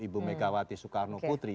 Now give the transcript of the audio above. ibu megawati soekarno putri